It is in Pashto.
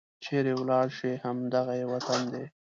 چيرې ولاړې شي؟ همد غه یې وطن دی